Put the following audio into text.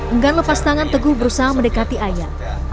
enggan lepas tangan teguh berusaha mendekati ayah